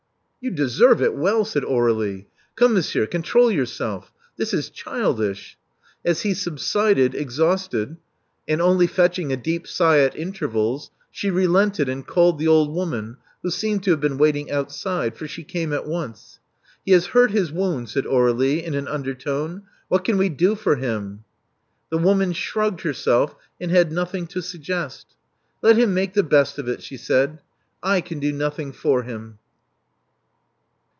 You deserve it well," said Aurflie. ''Come, mon sieur, control yourself. This is childish." Ashe sub sided, exhausted, and only fetching a deep sigh at intervals, she relented and called the old woman, who seemed to have been waiting outside; for she came at once. He has hurt his wound," said Aurflie in an under tone. What can we do for him?" The woman shrugged herself, and had nothing to suggest. Let him make the best of it," she said. I can do nothing for him."